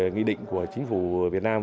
nghị định của chính phủ việt nam